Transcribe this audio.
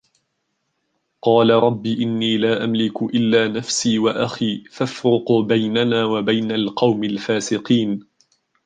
قال رب إني لا أملك إلا نفسي وأخي فافرق بيننا وبين القوم الفاسقين